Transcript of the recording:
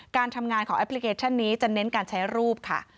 การทำงานของแอปพลิเคชันนี้จะเน้นการใช้รูปค่ะ